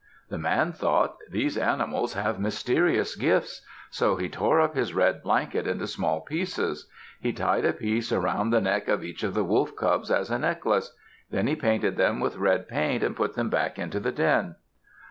The man thought, "These animals have mysterious gifts." So he tore up his red blanket into small pieces. He tied a piece around the neck of each of the wolf cubs, as a necklace. Then he painted them with red paint and put them back into the den.